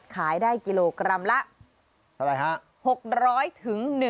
ขายได้กิโลกรัมละ๖๐๐๑๒๐๐บาท